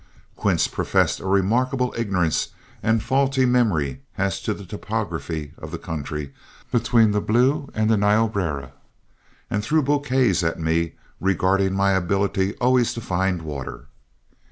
Quince professed a remarkable ignorance and faulty memory as to the topography of the country between the Blue and Niobrara, and threw bouquets at me regarding my ability always to find water.